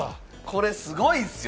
これすごいっすよ！